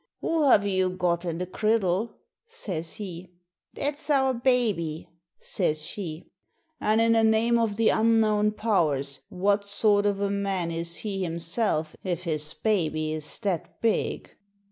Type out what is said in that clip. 'Who have you got in the criddle?' says he. 'That's our baby,' says she. 'An' in the name of the Unknown Powers, what sort of a man is he Himself if his baby is that big?'